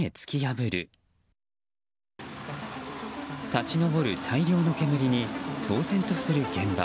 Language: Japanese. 立ち上る大量の煙に騒然とする現場。